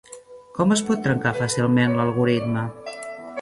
Com es pot trencar fàcilment l'algoritme?